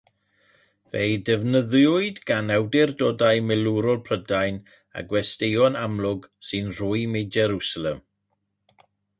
Fe'i defnyddiwyd gan awdurdodau milwrol Prydain a gwesteion amlwg sy'n rhwym i Jerwsalem.